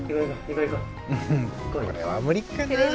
これは無理かな。